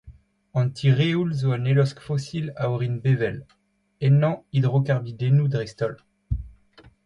An tireoul zo un helosk fosil a orin bevel, ennañ hidrokarbidennoù dreist-holl.